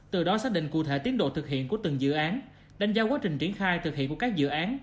từ đó xác định cụ thể tiến độ thực hiện của từng dự án đánh giá quá trình triển khai thực hiện của các dự án